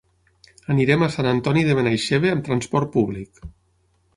Anirem a Sant Antoni de Benaixeve amb transport públic.